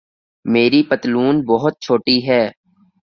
میری پتلون بہت چھوٹی ہے